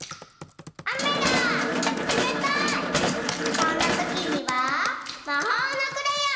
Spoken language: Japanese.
こんなときにはまほうのクレヨン！